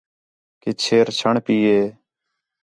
کہ چھیر چھݨ پئی ہِے